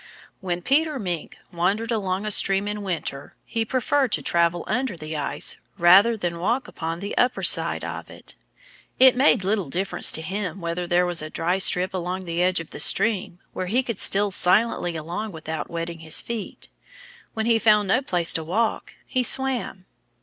When Peter Mink wandered along a stream in winter he preferred to travel under the ice, rather than walk upon the upper side of it. It made little difference to him whether there was a dry strip along the edge of the stream, where he could steal silently along without wetting his feet. When he found no place to walk, he swam.